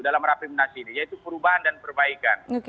dalam rapimnas ini yaitu perubahan dan perbaikan